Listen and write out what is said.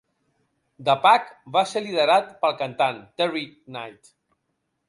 The Pack va ser liderat pel cantant, Terry Knight.